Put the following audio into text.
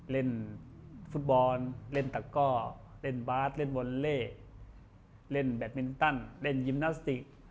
เล่นฟุตบอลเล่นตะก้อเล่นบาสเล่นวอลเล่เล่นแบตมินตันเล่นยิมนาสติก